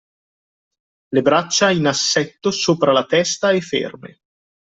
Le braccia in assetto sopra la testa e ferme